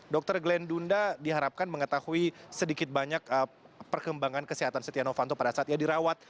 dr glenn dunda diharapkan mengetahui sedikit banyak perkembangan kesehatan setia novanto pada saat ia dirawat